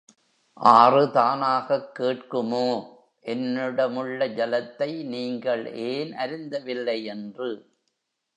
ஆறு தானாகக் கேட்குமோ, என்னிடமுள்ள ஜலத்தை நீங்கள் ஏன் அருந்தவில்லையென்று?